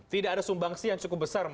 tidak ada sumbangsi yang cukup besar